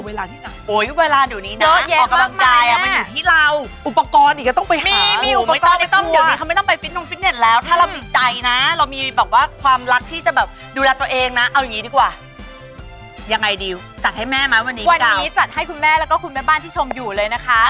เอาอย่างงี้ดีกว่ายังไงดิจัดให้แม่ไหมวันนี้วันนี้จัดให้คุณแม่แล้วก็คุณแม่บ้านที่ชมอยู่เลยนะคะ